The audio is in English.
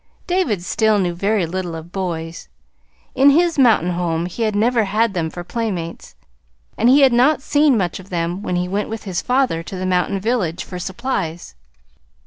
David still knew very little of boys. In his mountain home he had never had them for playmates, and he had not seen much of them when he went with his father to the mountain village for supplies.